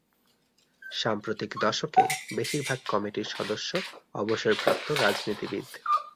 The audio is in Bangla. সাম্প্রতিক দশকে, বেশিরভাগ কমিটির সদস্য অবসরপ্রাপ্ত রাজনীতিবিদ।